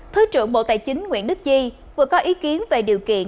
thứ trưởng bộ tài chính nguyễn đức chi vừa có ý kiến về điều kiện